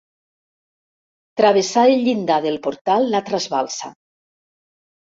Travessar el llindar del portal la trasbalsa.